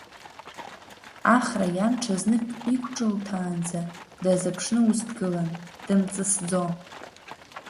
Ахра иан ҽазнык иқәҿылҭаанӡа дазыԥшны ус дгылан, дымҵысӡо.